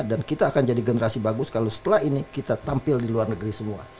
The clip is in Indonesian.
dan kita akan jadi generasi bagus kalau setelah ini kita tampil di luar negeri semua